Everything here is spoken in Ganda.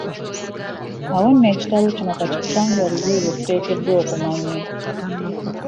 Awo nno ekitabo kino ka kikitutangaalize ebyo bye tuteekeddwa okumanya.